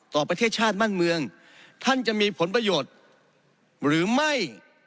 ประเทศชาติบ้านเมืองท่านจะมีผลประโยชน์หรือไม่